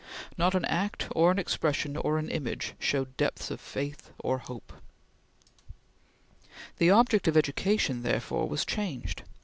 Not an act, or an expression, or an image, showed depth of faith or hope. The object of education, therefore, was changed.